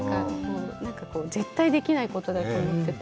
なんか絶対できないことだと思ってて。